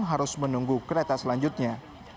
harus menunggu kereta selanjutnya